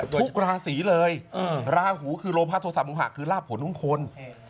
ทุกราศีเลยลาหูคือโรพาโทสัมภาคคือราบผลของคน